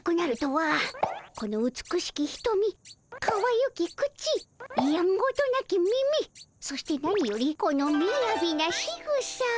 この美しきひとみかわゆき口やんごとなき耳そして何よりこのみやびな仕草。